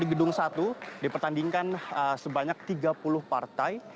di gedung satu di pertandingan sebanyak tiga puluh partai